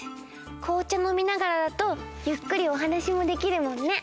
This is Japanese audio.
こうちゃのみながらだとゆっくりおはなしもできるもんね。